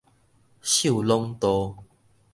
秀朗渡